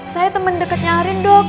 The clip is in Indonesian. saya teman dekatnya arin dok